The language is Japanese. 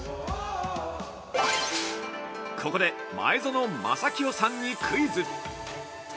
ここで前園真聖さんにクイズ。